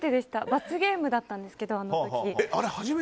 罰ゲームだったんですけどあの時。